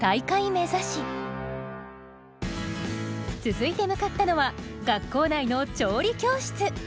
続いて向かったのは学校内の調理教室。